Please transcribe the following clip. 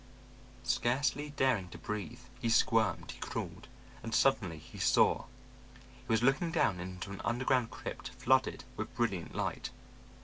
Scarcely daring to breathe, he squirmed, he crawled, and suddenly he saw. He was looking down into an underground crypt flooded with brilliant light.